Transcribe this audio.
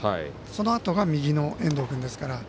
そのあとが右の遠藤君ですから。